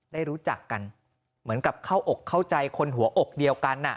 ได้รู้จักกันเหมือนกับเข้าอกเข้าใจคนหัวอกเดียวกัน